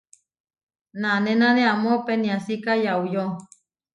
Nanénane amó peniásika yauyó.